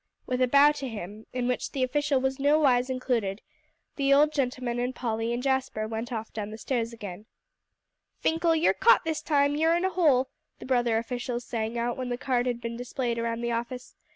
With a bow to him, in which the official was nowise included, the old gentleman and Polly and Jasper went off down the stairs again. "Finkle, you're caught this time; you're in a hole," the brother officials sang out when the card had been displayed around the office.